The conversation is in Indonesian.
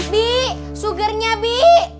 bi sugarnya bi